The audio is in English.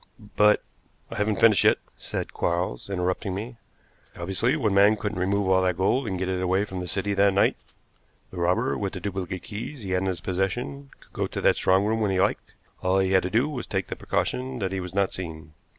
"But " "I haven't finished yet," said Quarles, interrupting me. "Obviously one man couldn't remove all that gold and get it away from the city that night. The robber, with the duplicate keys he had in his possession, could go to that strong room when he liked; all he had to do was to take the precaution that he was not seen.